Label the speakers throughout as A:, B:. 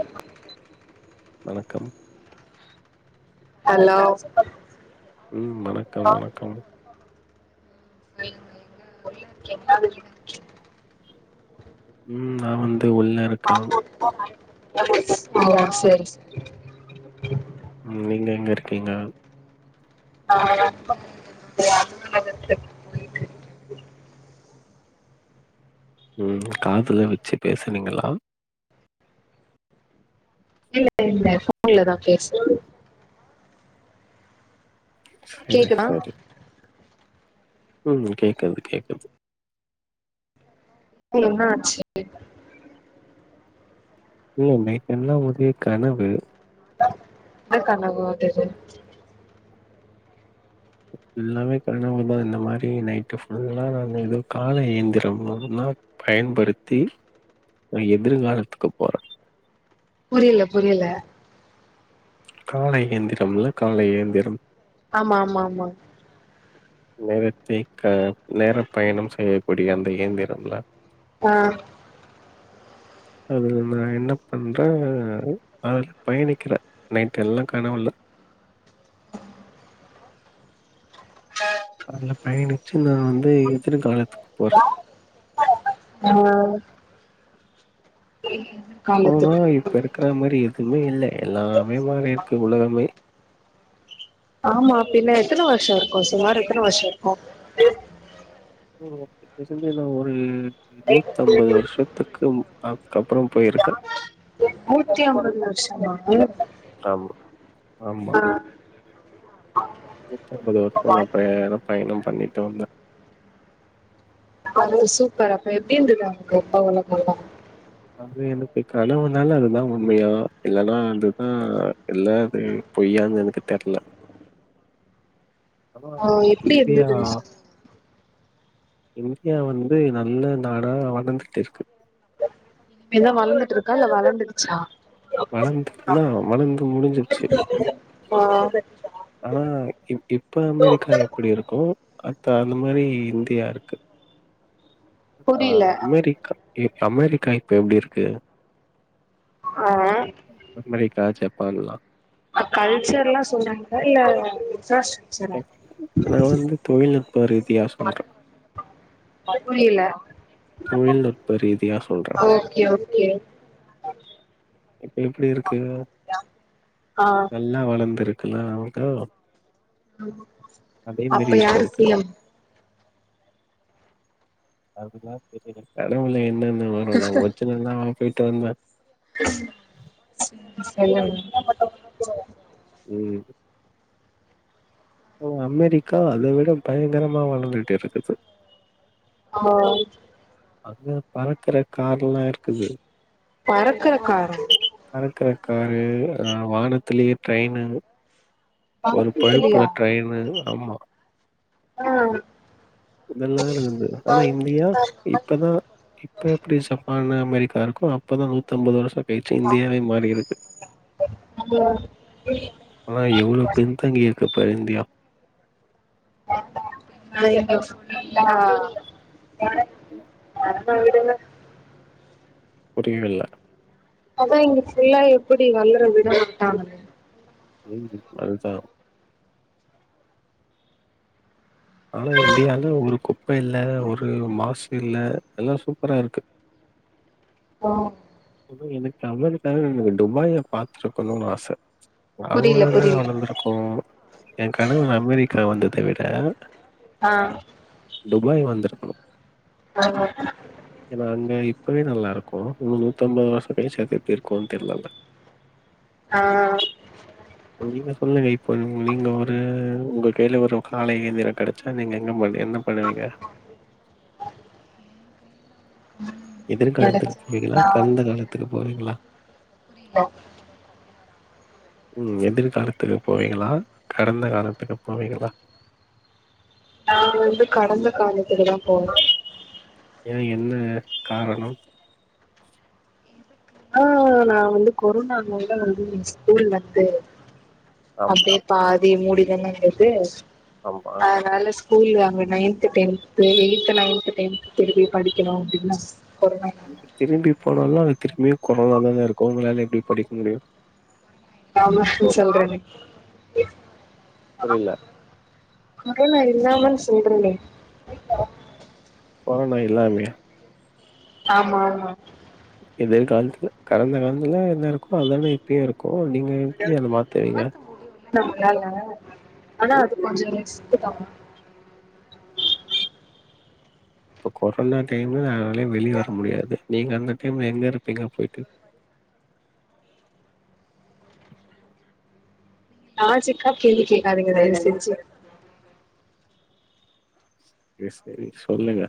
A: ஆமா
B: வணக்கம்
A: ஹலோ
B: ம் வணக்கம் வணக்கம்
A: சொல்லுங்க உள்ள இருக்கீங்ளா வெளில இருக்கீங்ளா
B: ம் நா வந்து உள்ள இருக்க
A: ஓ செரி செரி
B: ம் நீங்க எங்க இருக்கீங்க
A: ஆ [inaudible]
B: ம் காதுல வச்சு பேசனீங்களா
A: இல்ல இல்ல ஃபோன்லதா பேசுரே
B: சரி சரி ம் கேக்குது கேக்குது
A: என்னாச்சு
B: மா நைட்டெல்லா ஒரே கனவு
A: என்ன கனவு வந்தது
B: எல்லாமே கனவுதா இந்த மாரி நைட்டு ஃபுல்லா நா ஏதோ காலை ஏந்திரோம் அதுனா பயன்படுத்தி நா எதிர்காலத்துக்கு போறே
A: புரியல புரியல
B: காலை இயந்திரம் இல்ல காலை இயந்திரம்
A: ஆமா ஆமா ஆமா
B: நேரத்தை க நேர பயணம் செய்யக்கூடிய அந்த இயந்திரம்ல
A: ஆ
B: அதுல நா என்ன பண்றே அதுல பயணிக்கிறே நைட் எல்லா கனவுல அதுல பயணிச்சு நா வந்து எதிர் காலத்துக்கு போறே
A: அ
B: போனா இப்ப இருக்கற மாரி எதுமே இல்ல எல்லாமே மாரி இருக்கு உலகமே
A: ஆமா பின்ன எத்தன வர்ஷோ இருக்கு சுமார் எத்தன வர்ஷோ இருக்கு
B: [inaudible] ஒரு நூத்தம்பது வருஷத்துக்கு அப் கப்பறம் போயிருக்
A: நூத்தி அம்பது வர்ஷமா
B: ஆமா, ஆமா நூத்தம்பது வர்ஷோ
A: ஆ
B: நா பய பயணம் பண்ணிட்டு வந்தே
A: அது சூப்பர் அப்ப எப்டி இருந்தது [inaudible] அப்ப உலகல்லா
B: அது எனக்கு கனவுனால அதலா உண்மயா இல்லன்னா அதுதா இல்ல அது பொய்யான் எனக்கு தெர்ல ஆனா
A: ஆ எப்டி
B: இந்தியா
A: இருந்ததுன்னு சொல்
B: இந்தியா வந்து நல்ல நாடா வளந்துட்டு இருக்கு
A: இனிமேதா வளந்துட் இருக்கா இல்ல வளந்துருச்சா
B: வளந்துக்குனா வளந்து முடுஞ்சுருச்சு ஆ இப் இப்ப அமெரிக்கா எப்டி இருக்கோ அத்த அந்த மாரி இந்தியா இருக்கு ஆனா அமெரிக்கா அமெரிக்கா இப்ப எப்டி இருக்கு
A: ஆ
B: அமெரிக்கா ஜப்பான்லா
A: அ கல்ச்சர்ல்லா சொன்னாங்க இல்ல
B: நா வந்து தொழில்நுட்ப ரீதியா சொல்றே
A: புரியல
B: தொழில்நுட்ப ரீதியா சொல்றே
A: ஓகே ஓகே
B: இப்ப எப்டி இருக்கு
A: ஆ
B: நல்லா வளந்திருக் குல அததா
A: அப்ப யாரு
B: இருக்கு
A: சி எம்
B: கனவுல என்னென்ன வரு நா ஒர்ஜினலாவா போய்ட்டு வந்தே
A: [inaudible]
B: ம் அமெரிக்கா அத விட பயங்கரமா வளந்துட்டு இருக்குது
A: ஆ
B: அங்க பறக்குற கார்ல்லா இருக்குது
A: பறக்குற காரோ
B: பறக்கற காரு ஆ வாகனத்திலேயே ட்ரெயின் ஒரு
A: பறக்கறதுலயா
B: பகுப்புல ட்ரெயின்ு ஆமா
A: ஆ
B: இதெல்லா இருக்குது ஆனா இந்தியா இப்பதான் இப்ப எப்படி சப்பான அமெரிக்கா இருக்கும் அப்பதான் நூத்தி அம்பது வருஷம் கழிச்சு இந்தியாவே மாறியிருக்கு ஆனா எவ்வளவு பின்தங்கிருக்கப்ப இந்தியா
A: அ அ இடன [inaudible]
B: புரியவே இல்ல
A: அதான் இங்க ஃபுல்லா எப்படி வளற விட மாட்டாங்கலே
B: ம் அதுதான் ஆனா இந்தியால ஒரு குப்பை இல்ல ஒரு மாசு இல்ல எல்லா சூப்பரா இருக்கு
A: ஆ
B: எனக்கு அமெரிக்காவ எனக்கு டுபாய பார்த்திருக்கணுனு ஆசை அவள தான்
A: புரியல
B: வளர்ந்திருக்கோ என் கனவு அமெரிக்கா வந்ததை விட
A: ஆ
B: துபாய் வந்திருக்கணும் ஏன்னா அங்க இப்பவே நல்லா இருக்கு இன்னும் நூத்திஅம்பது வருஷம் ஃபேஸ் அதூ எப்டி இருக்கக்கும்ன்னு தெரியிலல
A: ஆ
B: நீங்க சொல்லுங்க இப்போ நீங்க ஒரு உங்க கையில ஒரு காலை ஏந்திரம் கிடைச்சா நீங்க எங்க பண்ண என்ன பண்ணுவீங்க எதிர்காலத்துக்கு போவீங்களா
A: கெடச்சா
B: கடந்த காலத்துக்கு போவீங்களா
A: புரியல
B: ம் எதிர்காலத்துக்கு போவீங்களா கடந்த காலத்துக்கு போவீங்களா
A: நா வந்து கடந்த காலத்துக்கு தான் போவே
B: ஏன் என்ன காரணம்
A: ஆ நான் வந்து கொரோனாவால தான் வந்து ஸ்கூல் வந்து
B: ஆமா
A: அப்படியே பாதி மூடிதானே இருந்தது
B: ஆமா
A: அதனால ஸ்கூல்ல அங்க ninth tenth eighth ninth tenth திருப்பி படிக்கணு அப்படின் ஆச
B: திரும்பி போனாலும் அது திரும்பியும் கொரோனாவா தான இருக்கும் உங்களால எப்படி படிக்க முடியும்
A: ஆமா சொல்றேனே
B: புரில
A: கொரோனா இல்லாம சொல்றேனே
B: கொரோனா இல்லாமையா
A: ஆமா ஆமா
B: எதிர்காலத்துல கடந்த காலத்துல என்ன இருக்கும் அதானே இப்பயும் இருக்கும் ஓ நீங்க எப்படி அதை மாத்துவீங்க
A: நம்மலால ஆனா
B: ம்
A: அது கொஞ்சம் ரிஸ்க் தான்
B: ம் இப்ப கொரோனா டைம்ல யாராலயூ வெளிய வர முடியாது நீங்க அந்த டைம்ல எங்க இருப்பீங்க போயிட்டு
A: நான் சிக்காப் கேள்வி கேட்காதிங்க தயவு செஞ்சு
B: சரி சரி சொல்லுங்க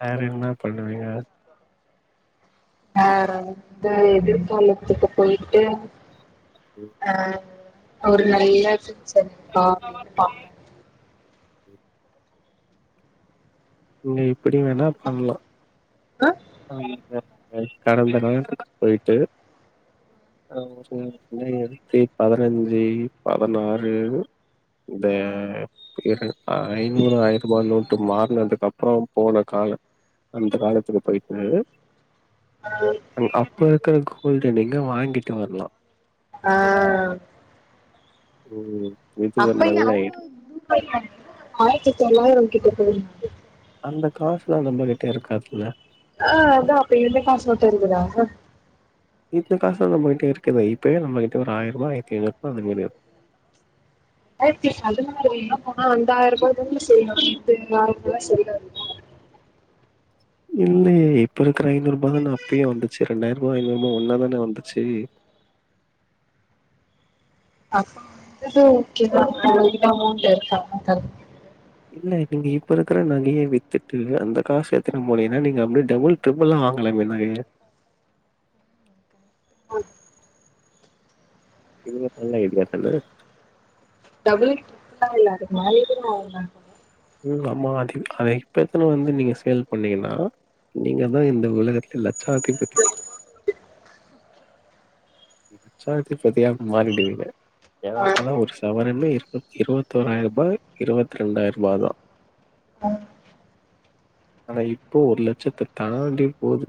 B: வேற என்ன பண்ணுவீங்க
A: வேற வந்து எதிர்காலத்துக்கு போயிட்டு
B: ம்.
A: ஆ ஒரு நல்லா [unintelligible] இருக்கா அப்படின்னு பார்ப்பே
B: ம் நீ இப்படி வேணா பண்லா அ கடந்த காலத்துக்கு போயிட்டு இரண்டாயிரத்தி பதினஞ்சு பதினாறு இந்த ஐநூறு ஆயிரபா நோட்டு மார்னது க்கப்புற போன கால அந்த காலத்துக்கு போயிட்டு
A: ஆஹ்
B: இப்ப இருக்கற கோல்டு நீங்க வாங்கிட்டு வர்லா
A: ஆ
B: ம் இது ஒரு
A: அப்பென்ன
B: நல்ல ஐடி
A: [inaudible] ஆயிரத்தி தொள்ளாயிரங்கிட்ட போய்
B: அந்த காசுலா நம்ம கிட்ட இருக்காதுல
A: ஆ அதா அப்ப இந்த காசு மட்டு இருந்துதா
B: இந்த காசு நம்ம கிட்ட இருக்குதே இப்பயே நம்மகிட்ட ஒரு ஆயருபா ஆயரத்தி ஐநூறுபா அந்த மேரி
A: ரண்டாயிரத்தி பதினாறிலிலா போனா அந்தாயிருபா தான செல்லு இது நார்மலா செல்லாதுல
B: இல்லயே இப்ப இருக்கிற ஐநூறுபா தான அப்பயே வந்துச்சு ரெண்டாயிருபா ஐநூறுபா ஒன்னாதானே வந்துச்சு
A: அப்ப வந்துட்டு ஓகேதா உங்கிட்ட அமௌண்ட் இருக்கா [inaudible]
B: இல்ல நீங்க இப்ப இருக்கற நகைய வித்துட்டு அந்த காசு எத்துட்டு போனிங்கனா நீங்க அப்டியே டபுள் ட்ரிபுளா வாங்கலாமே நகைய
A: [unintelligible]
B: எதுனா சொன்னியே [unintelligible]
A: டபுள் ட்ருபுளா இல்ல அதுக்கு மேலயே கூட வாங்கிர்லாம் போல
B: ஓ ஆமா அது இப்பெத்துனு வந்து நீங்க சேல் பண்ணிங்கனா நீங்கதா இந்த உலகத்தில் லட்சாதிபதி லட்சாதிபதியா மாறிடுவிங்க ஏனா
A: ஆ
B: அப்பலா ஒரு சவரனு இருநூ இருவத்தோராயிருபா இருவத்ரெண்டாயிருபா தா
A: அ
B: ஆனா இப்போ ஒரு லட்சத்த தாண்டி போது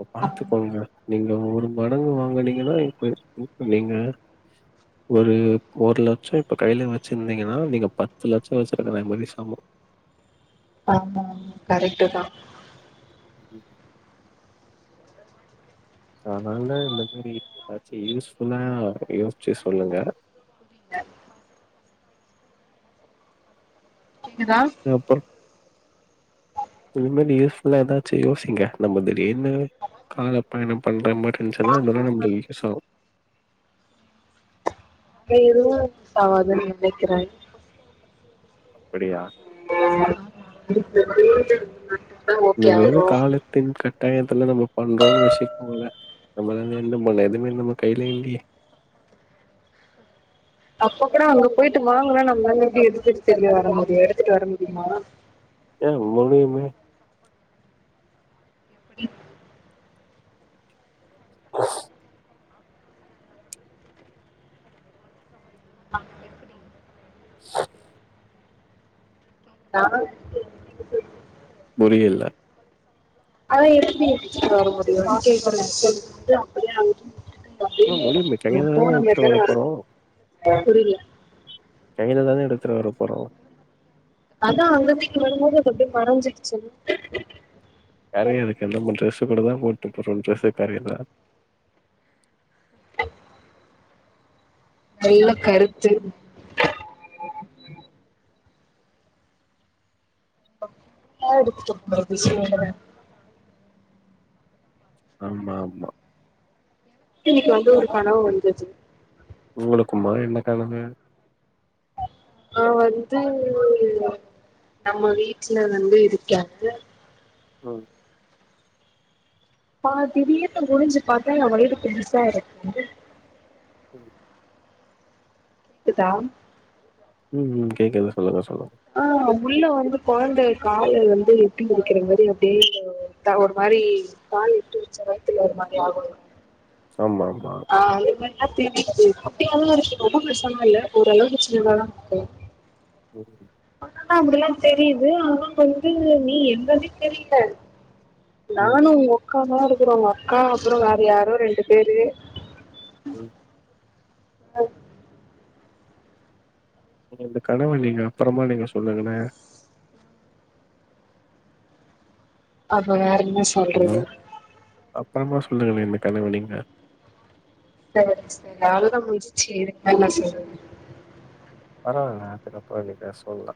B: அப்ப பாத்துக்கோங்க நீங்க ஒரு மடங்கு வாங்குனிங்கனா இப்ப இப்ப நீங்க ஒரு ஒரு லட்ச இப்ப கைல வச்சிருந்திங்கனா நீங்க பத்து லட்ச வச்சு ருக்ற மாரி சம
A: ஆமா ஆமா கரெக்ட்டு தா
B: ம் அதனால இந்த மாரி எதாச்சி யூஸ்ஃபுல்லா யோசிச்சு சொல்லுங்க
A: [inaudible] கேக்குதா
B: இனிமே யூஸ்ஃபுல்லா எதாச்சு யோசிங்க நம்ம திடீர்னு காலப்பயணம் பண்ற மார் இருந்துச்னா இதெல்லா நம்மளுக் யூஸ் ஆகு
A: எதுவு சாவாதுன் நெனைக்கிறே
B: அப்படியா இந்த
A: ஓகே
B: வெறு
A: ஆகு
B: காலத்தின் கட் டாயத்துல நம்ம பண்றோன் வெச்சுக்குங்ளே நம்ளால எந்த முடில எதுவுமே நம்ம கைல இல்லயே
A: அப்ப கூட அங்க போயிட்டு வாங்குனா நம்ளால எப்டி எடுத்ட்டு திரும்பி வர முடியு எடுத்துட்டு வர முடியுமா
B: ஏ முடியுமே
A: நா வந்து
B: புரியல
A: அதா எப்டி இப்டி வரமுடியும்
B: ஏன் முடியுமே
A: [unintelligible]
B: கையில
A: [unintelligible] போன
B: தானே எடுத்துட்டு வர
A: மாரிதான வரும்
B: போறோம்.
A: புரில
B: கையில தான எடுத்துட்டு வர போறோ
A: அதாஅங்க வீட்டு வரும்போது அது அப்படியே மறைஞ்சிர்ச்சு
B: கரையு அதுக்கு என்ன பண்ற [unintelligible] கூட தா போட்டு இப்போ ஃபோன் பேச காரியல
A: நல்ல கருத்து ஆ எடுத்துப்போ பிஸியாயிடுவே
B: ஆமா ஆமா
A: இன்னைக்கு வந்து ஒரு கனவு வந்தது
B: உங்களுக்குமா என்ன கனவு
A: நா வந்து நம்ம வீட்ல வந்து இருக்கே
B: ம்
A: பா திடீர்னு குனிஞ்சு பாத்தா என் வயிறு பெருசா இருக்கு
B: ம்
A: க்குதா
B: ம் கேக்குது சொல்லுங்க சொல்லு
A: ஆ முள்ள வந்து கொழந்த இருக்க இல் வந்து எப்பியு இருக்ற மாதி அப்டியே [unintelligible] த்தா ஒரு மாரி மாரி பால் எட்டு வச்ச வயத்துல ஒரு மாரி ஆகும்
B: ஆமா ஆமா
A: ஆ தெரியுது குபட்டியாவு [unintelligible] ரொம்ப பெருசாவு இல்ல ஓரளவுக்கு சின்னதா இருக்கு
B: ம்.
A: ஆனா அப்டில்லா தெரியுது ஆனா வந்து நீ என்னனெ கேக்கல்
B: ம்.
A: நானு ஒங்க்கா தா இருக்கிறோ ஒங்க்கா அப்புறொ வேற யாரோ ரெண்டு பேரு
B: ம்
A: அ
B: நீ இந்த கனவ நீங்க அப்புறமா நீங்க சொல்லுங்கன
A: அப்ப வேற என்ன
B: ஹலோ!
A: சொல்றது
B: அப்புறமா சொல்லுங்களே இந்த கனவ நீங்க
A: செரி செ அவ்ளோ தா முடிச்சி வேற என்ன சொல்றது
B: பரவால்ல அது அப்றொ எப்டியு பேசுவோலா